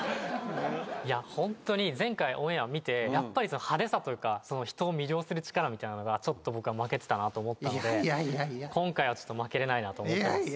いやホントに前回オンエア見てやっぱり派手さというか人を魅了する力みたいなのがちょっと僕は負けてたなと思ったので今回は負けれないなと思ってます。